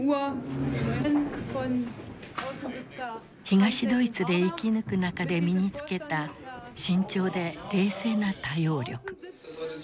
東ドイツで生き抜く中で身に付けた慎重で冷静な対応力。